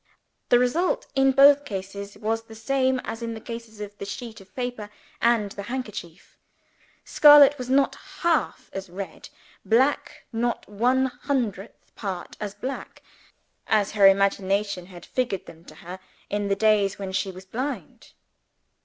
The result, in both cases, was the same as in the cases of the sheet of paper and the handkerchief. Scarlet was not half as red black, not one hundredth part as black as her imagination had figured them to her, in the days when she was blind.